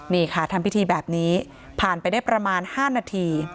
นี่ค่ะทำพิธีแบบนี้ผ่านไปได้ประมาณ๕นาที